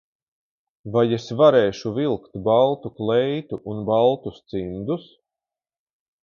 Vai es varēšu vilkt baltu kleitu un baltus cimdus?